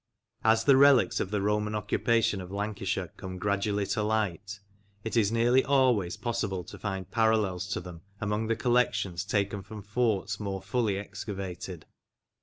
As the relics of the Roman occupation of Lancashire come gradually to light, it is nearly always possible to find parallels to them among the collections taken from forts more fully excavated.